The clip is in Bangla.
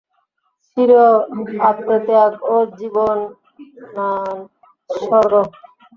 ছিল আত্মেত্যাগ ও জীবননাৎসর্গ।